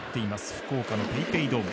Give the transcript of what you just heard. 福岡のＰａｙＰａｙドーム。